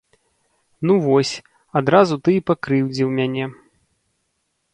Ну вось, адразу ты і пакрыўдзіў мяне.